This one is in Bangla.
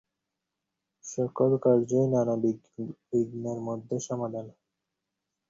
সকল কার্যই নানা বিঘ্নের মধ্যে সমাধান হয়।